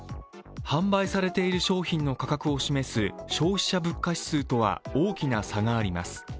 販売されている商品の価格を示す消費者物価指数とは大きな差があります。